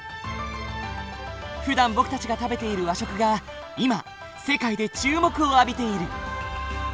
ふだん僕たちが食べている和食が今世界で注目を浴びている。